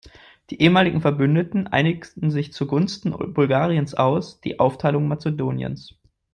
Die ehemaligen Verbündeten einigten sich zuungunsten Bulgariens aus die Aufteilung Mazedoniens.